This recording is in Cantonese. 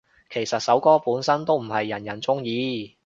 其實首歌本身都唔係人人鍾意